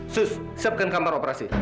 sus siapkan kamar operasi